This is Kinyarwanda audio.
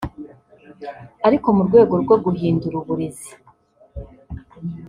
ariko mu rwego rwo guhindura uburezi